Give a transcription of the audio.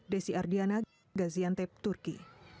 desi ardiana gaziantep turki